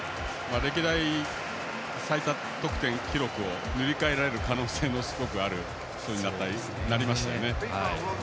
歴代最多得点記録を塗り替えられる可能性もすごくある人になりましたね。